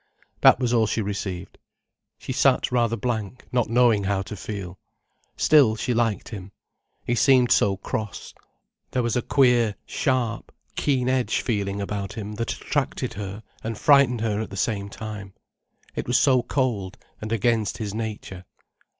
That was all she received. She sat rather blank, not knowing how to feel. Still she liked him. He seemed so cross. There was a queer, sharp, keen edge feeling about him that attracted her and frightened her at the same time. It was so cold, and against his nature.